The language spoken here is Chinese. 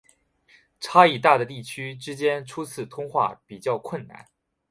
差异大的地区之间初次通话比较困难。